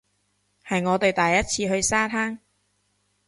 係我哋第一次去沙灘